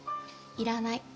いらない。